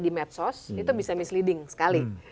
di medsos itu bisa misleading sekali